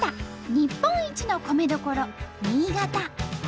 日本一の米どころ新潟。